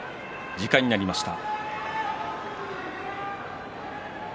時間になりました。